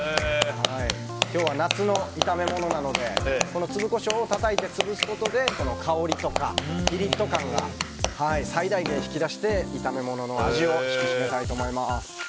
今日は夏の炒め物なので粒コショウをたたいて潰すことで香りとかピリッと感が最大限に引き出して炒め物の味を引き出したいと思います。